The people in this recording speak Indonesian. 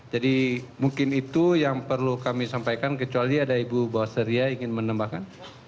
jadi mungkin itu yang perlu kami sampaikan kecuali ada ibu bawasaria ingin menambahkan